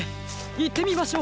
いってみましょう！